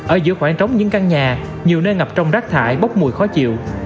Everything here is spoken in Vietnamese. ở giữa khoảng trống những căn nhà nhiều nơi ngập trong rác thải bốc mùi khó chịu